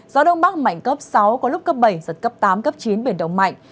gió đông bắc mạnh cấp sáu có lúc cấp bảy giật cấp tám cấp chín biển động mạnh